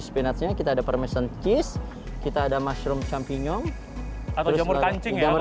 spinach nya kita ada parmesan cheese kita ada mushroom campignon atau jamur kancing jamur